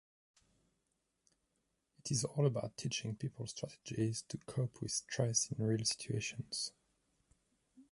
It is all about teaching people strategies to cope with stress in real situations.